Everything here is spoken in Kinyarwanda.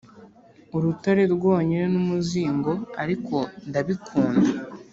urutare rwonyine n umuzingo ariko ndabikunda